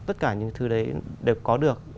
tất cả những thứ đấy đều có được